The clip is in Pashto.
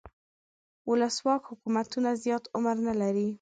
ولسواک حکومتونه زیات عمر نه لري.